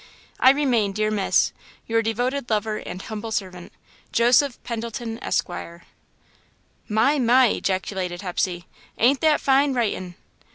"I remain, Dear Miss, your devoted lover and humble servant, "JOSEPH PENDLETON, ESQ." "My! My!" ejaculated Hepsey. "Ain't that fine writin'!"